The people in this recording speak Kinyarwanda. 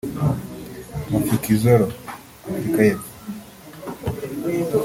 Mafikizolo(Afrika y’epfo)